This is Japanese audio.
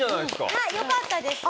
はいよかったです。